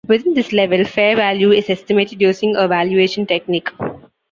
Within this level, fair value is estimated using a valuation technique.